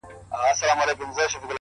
o د زړه له درده درته وايمه دا ـ